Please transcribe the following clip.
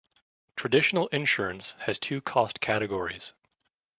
Traditional insurance has two cost categories.